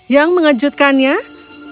yang mengejutkannya adalah